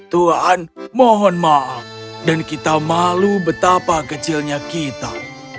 tuhan mohon maaf dan kita malu betapa kecilnya kita